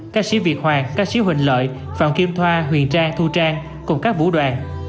ca sĩ việt hoàng ca sĩ huỳnh lợi phạm kim thoa huyền trang thu trang cùng các vũ đoàn